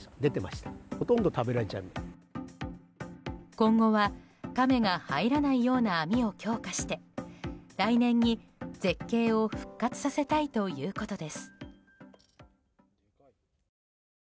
今後はカメが入らないような網を強化して来年に絶景を復活させたいということです。